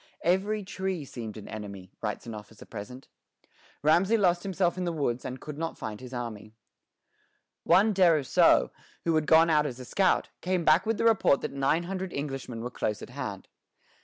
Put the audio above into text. "Every tree seemed an enemy," writes an officer present. Ramesay lost himself in the woods, and could not find his army. One Deruisseau, who had gone out as a scout, came back with the report that nine hundred Englishmen were close at hand.